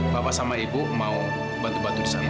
bapak sama ibu mau bantu batu di sana